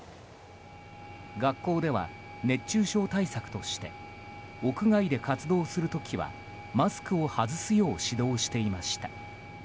学校では熱中症対策として屋外で活動する時はマスクを外すよう指導していました。